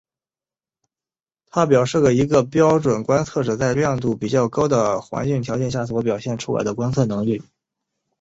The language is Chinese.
它表示了一个标准观测者在亮度比较高的环境条件下所表现出来的观测能力。